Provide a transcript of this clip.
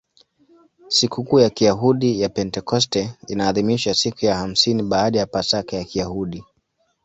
Sikukuu ya Kiyahudi ya Pentekoste inaadhimishwa siku ya hamsini baada ya Pasaka ya Kiyahudi.